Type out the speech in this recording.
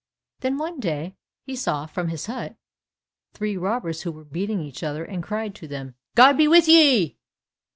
Then one day he saw from his hut three robbers who were beating each other, and cried to them, "God be with ye!"